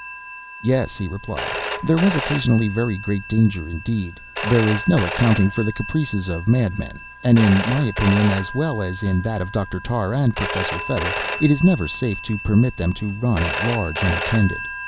"Yes," he replied, "there was, occasionally, very great danger indeed. There is no accounting for the caprices of madmen; and, in my opinion as well as in that of Dr. Tarr and Professor Fether, it is never safe to permit them to run at large unattended.